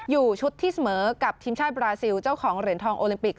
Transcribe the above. อยู่ชุดที่เสมอกับทีมชาติบราซิลเจ้าของเหรียญทองโอลิมปิก